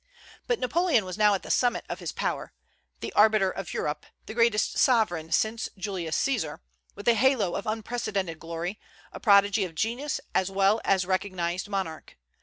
But Napoleon was now at the summit of his power, the arbiter of Europe, the greatest sovereign since Julius Caesar, with a halo of unprecedented glory, a prodigy of genius as well as a recognized monarch.